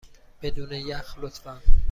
بدون یخ، لطفا.